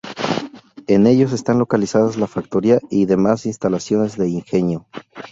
En ellos están localizadas la factoría y demás instalaciones del ingenio.